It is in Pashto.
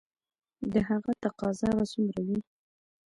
د هغه تقاضا به څومره وي؟